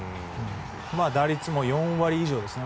打率も４割以上ですね。